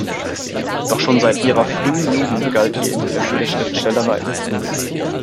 Doch schon seit ihrer frühen Jugend galt ihr Interesse der Schriftstellerei.